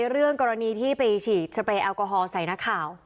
เรื่องกรณีที่ไปฉีดสเปรยแอลกอฮอล์ใส่นักข่าว